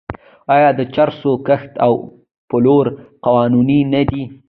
آیا د چرسو کښت او پلور قانوني نه دی؟